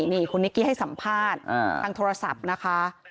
นี่คุณนิกกี้ให้สัมภาษณ์ทางโทรศัพท์นะคะ